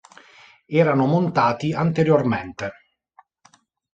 Erano montati anteriormente.